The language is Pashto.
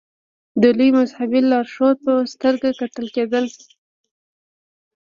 د لوی مذهبي لارښود په سترګه کتل کېدل.